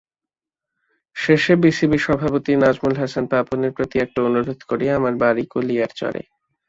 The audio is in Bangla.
শেষে বিসিবি সভাপতি নাজমুল হাসান পাপনের প্রতি একটা অনুরোধ করি, আমার বাড়ি কুলিয়ারচরে।